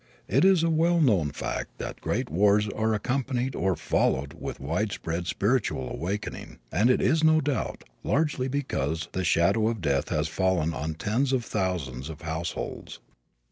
It is a well known fact that great wars are accompanied or followed with widespread spiritual awakening, and it is no doubt largely because the shadow of death has fallen on tens of thousands of households.